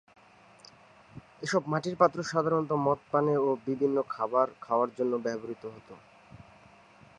এসব মাটির পাত্র সাধারণত মদ পানে ও বিভিন্ন খাবার খাওয়ার জন্য ব্যবহৃত হতো।